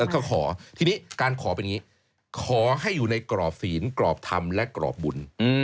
แล้วก็ขอทีนี้การขอเป็นอย่างนี้ขอให้อยู่ในกรอบศีลกรอบธรรมและกรอบบุญ